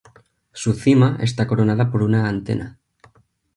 Su cima está coronada por una antena.